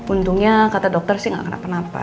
untungnya kata dokter sih gak kenapa kenapa